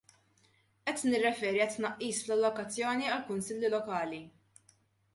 Qed nirreferi għat-tnaqqis fl-allokazzjoni għall-kunsilli lokali.